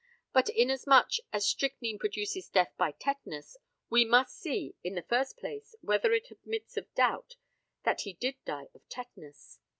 But, inasmuch as strychnine produces death by tetanus, we must see, in the first place, whether it admits of doubt that he did die of tetanus.